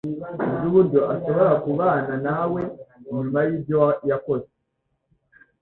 Sinzi uburyo ashobora kubana nawe nyuma yibyo yakoze.